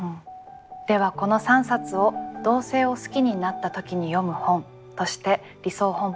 ではこの３冊を「同性を好きになった時に読む本」として理想本箱に収蔵いたします。